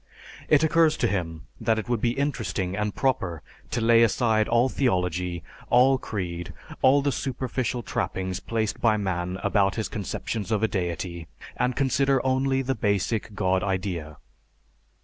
It occurs to him that it would be interesting and proper to lay aside all theology, all creed, all the superficial trappings placed by man about his conceptions of a deity, and consider only the basic God idea.